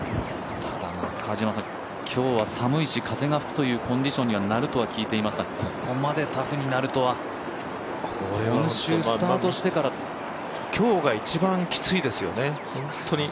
ただ、今日は寒いし、風が吹くというコンディションになるとは聞いていましたがここまでタフになるとは今日が一番きついですよね。